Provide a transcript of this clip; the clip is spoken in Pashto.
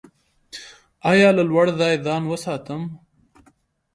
ایا له لوړ ځای ځان وساتم؟